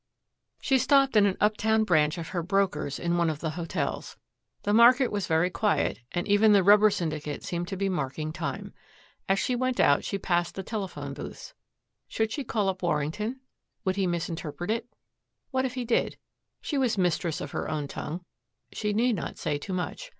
She stopped in an uptown branch of her brokers in one of the hotels. The market was very quiet, and even the Rubber Syndicate seemed to be marking time. As she went out she passed the telephone booths. Should she call up Warrington? Would he misinterpret it? What if he did? She was mistress of her own tongue. She need not say too much.